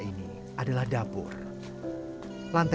ini dapurnya bu